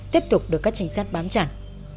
tiếp tục được các trình sát bám chặt